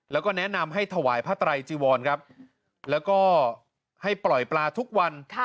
แล้วก็แนะนำให้ถวายพระไตรจีวรครับแล้วก็ให้ปล่อยปลาทุกวัน